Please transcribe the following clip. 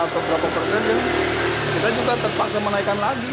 kita juga terpaksa menaikan lagi